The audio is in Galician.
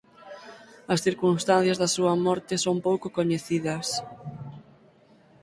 As circunstancias da súa morte son pouco coñecidas.